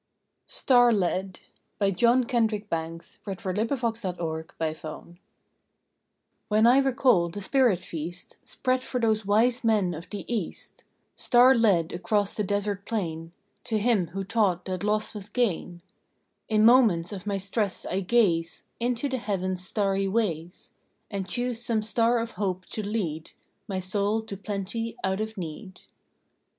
ge since Time began Love cannot span! December Twenty first STAR LED "IK/HEN I recall the spirit feast Spread for those Wise Men of the East, Star led across the desert plain To Him who taught that Loss was Gain, In moments of my stress I gaze Into the Heavens starry ways, And choose some star of Hope to lead My soul to plenty out of need.